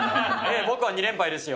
僕は２連敗ですよ。